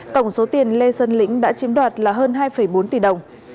tổng số tiền lê xuân lĩnh đã chiếm đoạt là hơn hai bốn tỷ đồng